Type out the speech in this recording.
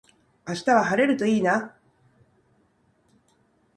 明日は晴れるといいな。